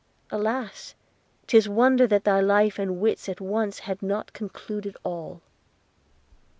alas! 'Tis wonder that thy life and wits at once Had not concluded all.'